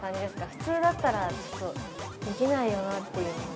普通だったらできないよなっていう。